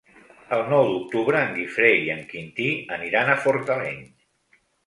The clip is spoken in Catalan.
El nou d'octubre en Guifré i en Quintí aniran a Fortaleny.